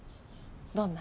どんな？